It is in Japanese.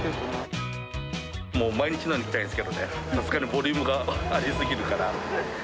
もう毎日のように来たいんですけどね、さすがにボリュームがありすぎるから。